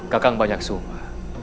kakang banyak sumba